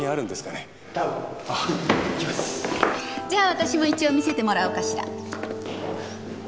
じゃあ私も一応見せてもらおうかしら。